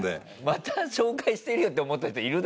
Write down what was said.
また紹介してるよって思った人いるだろうね。